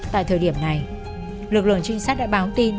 tại thời điểm này lực lượng trinh sát đã báo tin